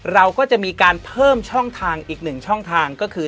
เราก็จะมีการเพิ่มช่องทางอีกหนึ่งช่องทางก็คือ